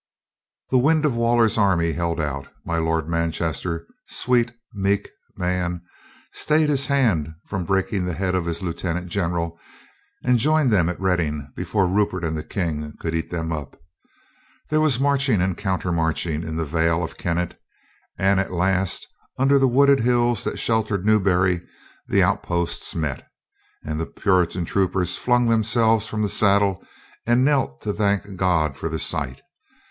The wind of Waller's army held out. My Lord Manchester, "sweet, meek man," stayed his hand from breaking the head of his lieutenant general, and joined them at Reading before Rupert and the King could eat them up. There was marching and counter marching in the vale of Kennet, and at last^ under the wooded hills that sheltered Newbury, the outposts met, and the Puritan troopers flung them selves from the saddle and knelt to thank God for the sight.